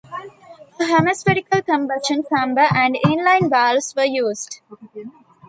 A hemispherical combustion chamber and in-line valves were used.